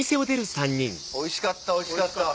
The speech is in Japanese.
おいしかったおいしかった。